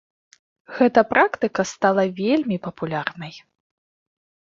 Гэта практыка стала вельмі папулярнай.